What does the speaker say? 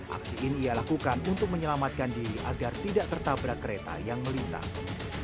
aksi ini ia lakukan untuk menyelamatkan diri agar tidak tertabrak kereta yang melintas